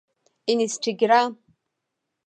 انسټاګرام